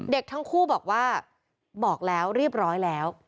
เด็กทั้งคู่บอกว่าบอกแล้วเรียบร้อยแล้ว